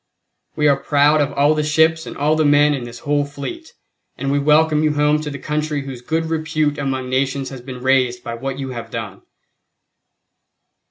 We are proud of all the ships and all the men in this whole fleet, and we welcome you home to the country whose good repute among nations has been raised by what you have done."